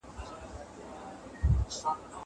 زه هره ورځ مړۍ پخوم.